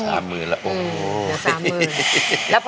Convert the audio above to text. เหลือ๓๐๐๐๐บาทแล้วโอ้โห